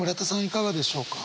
いかがでしょうか？